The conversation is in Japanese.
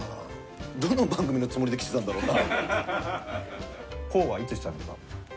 どの番組のつもりで来てたんだろうな？